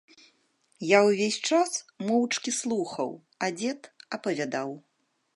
Я ўвесь час моўчкі слухаў, а дзед апавядаў.